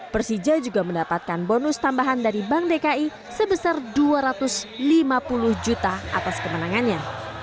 persija juga mendapatkan bonus tambahan dari bank dki sebesar dua ratus lima puluh juta atas kemenangannya